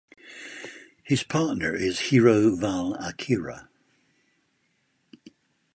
His partner is Hiro val Akira.